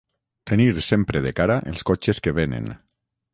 tenir sempre de cara els cotxes que venen